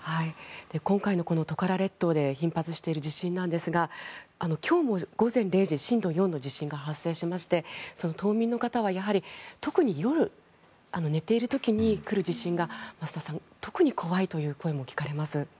今回のトカラ列島で頻発している地震ですが今日も午前０時震度４の地震が発生しましてその島民の方は特に夜、寝ている時に来る地震が増田さん、特に怖いという声も聞かれます。